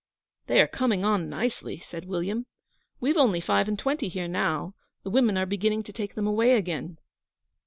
'They are coming on nicely,' said William. 'We've only five and twenty here now. The women are beginning to take them away again.'